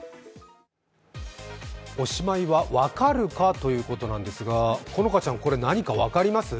おしまいはわかるか！！！ということなんですが、好花ちゃん、これ何か分かりますか？